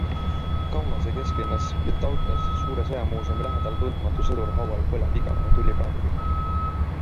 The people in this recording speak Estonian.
Kaunase kesklinnas Vytautas Suure sõjamuuseumi lähedal Tundmatu sõduri haual põleb igavene tuli praegugi.